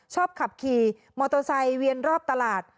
ชอบขับขี่มอเตอร์ไซค์เวียนรอบตลาด